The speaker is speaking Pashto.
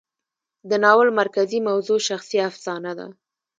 د ناول مرکزي موضوع شخصي افسانه ده.